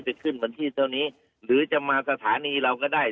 จะขึ้นวันที่เท่านี้หรือจะมาสถานีเราก็ได้